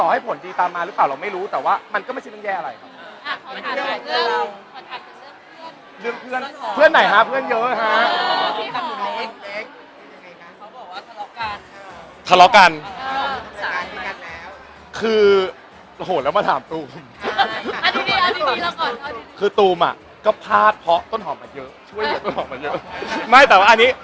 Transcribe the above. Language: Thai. เฮ้ยไม่รู้เลยอ่ะมันต้องไปถามพี่หอมเลยอ่ะอันนี้